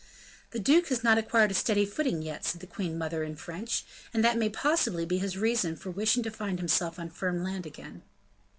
"The duke has not acquired a steady footing yet," said the queen mother, in French, "and that may possibly be his reason for wishing to find himself on firm land again."